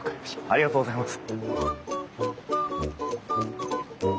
ありがとうございます。